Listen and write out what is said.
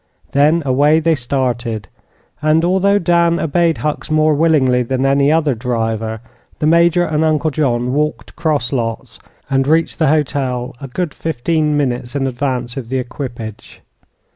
Then away they started, and, although Dan obeyed Hucks more willingly than any other driver, the Major and Uncle John walked 'cross lots and reached the hotel a good fifteen minutes in advance of the equipage.